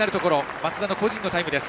松田の個人のタイムです。